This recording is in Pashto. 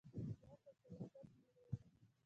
واک او صلاحیت نه لري.